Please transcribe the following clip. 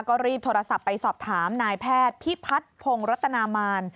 ก็รีบโทรศัพท์ไปสอบถามนายแพทย์พิพัฒน์พงศ์รัตนามาร